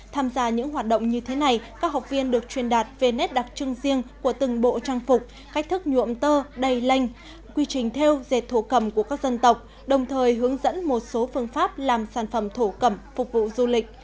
tham gia những hoạt động như thế này các học viên được truyền đạt về nét đặc trưng riêng của từng bộ trang phục cách thức nhuộm tơ đầy lanh quy trình theo dệt thổ cầm của các dân tộc đồng thời hướng dẫn một số phương pháp làm sản phẩm thổ cầm phục vụ du lịch